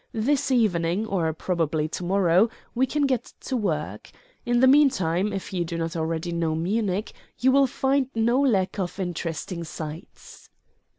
This evening, or probably to morrow, we can get to work. In the mean time, if you do not already know Munich, you will find no lack of interesting sights."